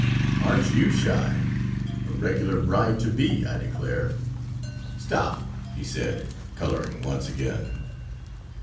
"Aren't you shy! A regular bride to be, I declare." "Stop!" he said, coloring once again.